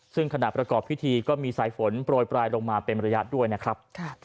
ซึ่งขณะประกอบพิธีก็มีสายฝนโปรยปลายลงมาเป็นระยะด้วยนะครับ